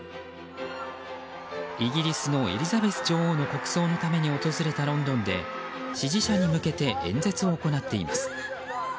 イギリスのエリザベス女王の国葬のために訪れたロンドンで支持者に向けて演説を行っています。